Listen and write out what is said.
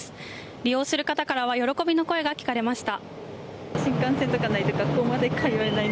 利用する方からは喜びの声が聞かれました。